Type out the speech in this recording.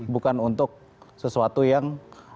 bukan untuk sesuatu yang